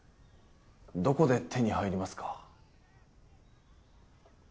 どこで手に入りますか？